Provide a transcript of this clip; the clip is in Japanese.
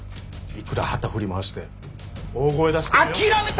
いくら旗振り回して大声出しても。